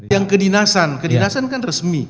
yang kedinasan kedinasan kan resmi